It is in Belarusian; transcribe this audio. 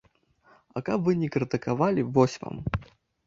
А каб вы не крытыкавалі, вось вам!